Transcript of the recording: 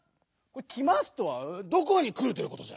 「きます」とはどこにくるということじゃ？